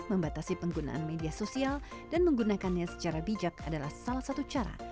membatasi penggunaan media sosial dan menggunakannya secara bijak adalah salah satu cara